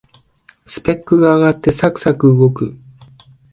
スペックが上がってサクサク動く